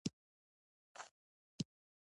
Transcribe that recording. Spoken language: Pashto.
قومي تعصبات ملي یووالي خرابوي.